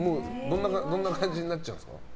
どんな感じになっちゃうんですか？